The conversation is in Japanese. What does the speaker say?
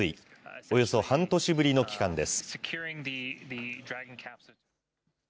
およそ半年ぶりの帰還です。